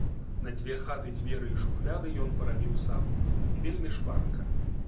На дзве хаты дзверы і шуфляды ёй парабіў сам, і вельмі шпарка.